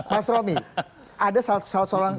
mas romi ada salah seorang